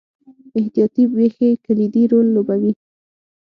احتیاطي پېښې کلیدي رول لوبوي.